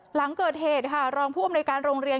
หลังเกิดเหตุค่ะรองผู้อำนวยการโรงเรียน